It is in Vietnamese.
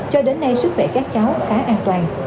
cho đến nay sức khỏe các cháu khá an toàn